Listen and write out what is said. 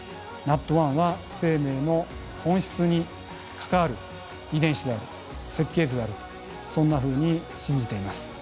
ＮＡＴ１は生命の本質に関わる遺伝子である設計図であるとそんなふうに信じています。